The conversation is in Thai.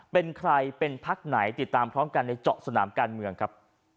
เป็นใครเป็นพักไหนติดตามพร้อมกันในเจาะสนามการเมืองครับ